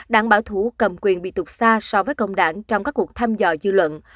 đảng bảo thủ cầm quyền bị tục xa so với công đảng trong các cuộc tham dò dư luận